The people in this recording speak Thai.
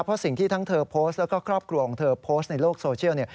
เพราะสิ่งที่ทั้งเธอโพสต์แล้วก็ครอบครัวของเธอโพสต์ในโลกโซเชียล